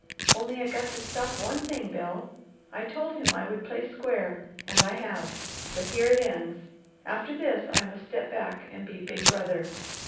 "Only I got to stop one thing, Bel. I told him I would play square, and I have. But here it ends. After this, I must step back and be big brother.